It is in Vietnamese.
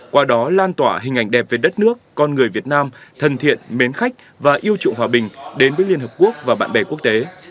qua đó lan tỏa hình ảnh đẹp về đất nước con người việt nam thân thiện mến khách và yêu trụng hòa bình đến với liên hợp quốc và bạn bè quốc tế